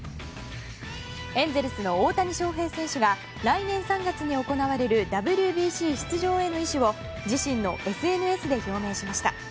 エンゼルスの大谷翔平選手が来年３月に行われるＷＢＣへの出場への意思を自身のＳＮＳで表明しました。